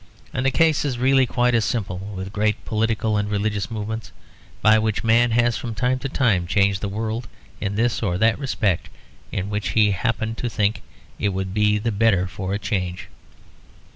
And the case is really quite as simple with great political and religious movements by which man has from time to time changed the world in this or that respect in which he happened to think it would be the better for a change.